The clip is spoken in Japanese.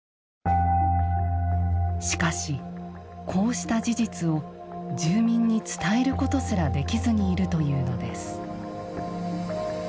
しかし、こうした事実を住民に伝えることすらできずにいるというのです。